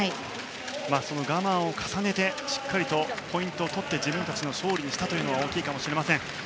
我慢を重ねてしっかりとポイントを取って自分たちの勝利にしたというのは大きいかもしれません。